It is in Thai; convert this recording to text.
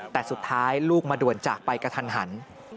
แต่สุดท้ายลูกมาด่วนจากไปกระทันหัน